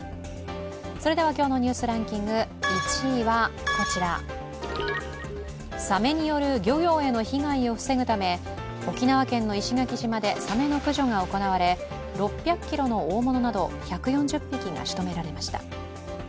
今日の「ニュースランキング」１位はこちら、サメによる漁業への被害を防ぐため沖縄県の石垣島でサメの駆除が行われ６００ｋｇの大物など１４０匹がしとめられました。